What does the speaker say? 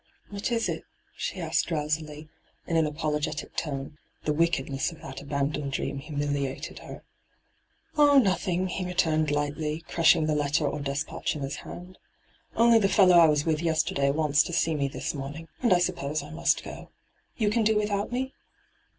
' What is it ?' she asked drowsily, in an apologetic tone ; the wickedness of that abandoned dream humiliated her. ' Oh, nothing,' he returned Ughtiy, crushing 1& nyt,, 6^hyG00>^lc 226 ENTRAPPED the lettier or despatch in his haod. * Only the fellow I was with yeaterday wants to see me this morning, and I suppose I must go. You can do without me